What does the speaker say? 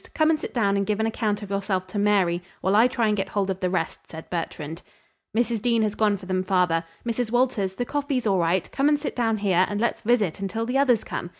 Come and sit down and give an account of yourself to Mary, while I try to get hold of the rest," said Bertrand. "Mrs. Dean has gone for them, father. Mrs. Walters, the coffee's all right; come and sit down here and let's visit until the others come.